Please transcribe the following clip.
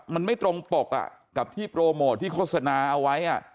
มันไม่ตรงปกกับที่โปรโมทที่โฆษณาเอาไว้